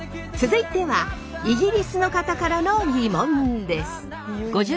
続いてはイギリスの方からのギモンです。